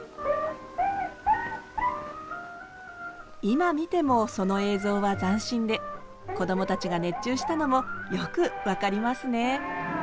今見てもその映像は斬新でこどもたちが熱中したのもよく分かりますね。